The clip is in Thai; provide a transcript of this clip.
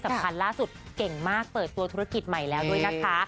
สำคัญล่าสุดเก่งมากเปิดตัวธุรกิจใหม่แล้วด้วยนะคะ